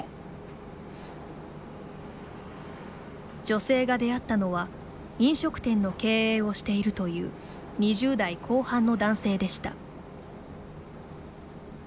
女性が出会ったのは飲食店の経営をしているという２０代後半の男性でした。